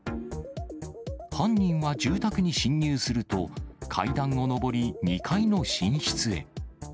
犯人は住宅に侵入すると、階段を上り、２階の寝室へ。